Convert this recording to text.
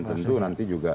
tentu nanti juga